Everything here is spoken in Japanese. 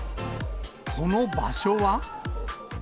この場所は。